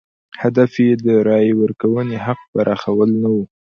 هدف یې د رایې ورکونې حق پراخوال نه و.